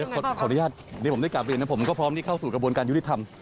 ขออนุญาตเดี๋ยวผมได้กลับเรียนนะผมก็พร้อมที่เข้าสู่กระบวนการยุติธรรม